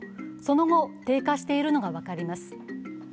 その後、低下しているのが分かります。